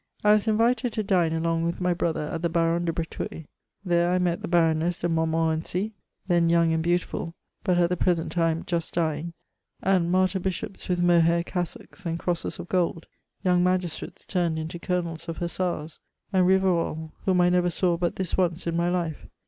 I was invited to dine along with my brother at the Baron de Breteuil's.; there 1 met the Baroness de Montmorency, then young and beautiful, but at the present time just dying, and martyr bishops with mohair cassocks, and crosses of gdd, young magistrates turned into colonels of hussars, and Rivarol, whom I never saw but this once in my Hfe.